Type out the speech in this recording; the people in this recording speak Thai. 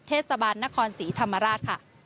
เทศบาลนครศรีธรรมราชค่ะ